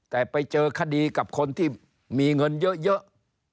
แต่ไปเจอคดีกับคนที่มีเงินเยอะ